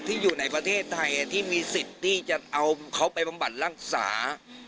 ที่อยู่ในประเทศไทยที่มีสิทธิ์ที่จะเอาเขาไปบำบัดรักษา